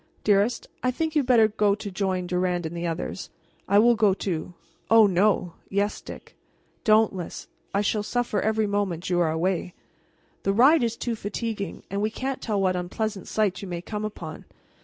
"Dearest, I think I had better go to join Durand and the others." "I will go, too." "Oh, no!" "Yes, Dick." "Don't, Lys." "I shall suffer every moment you are away." "The ride is too fatiguing, and we can't tell what unpleasant sight you may come upon.